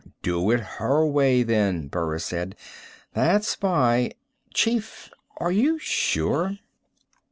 "Do it her way, then," Burris said. "That spy " "Chief, are you sure?"